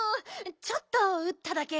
ちょっとうっただけ。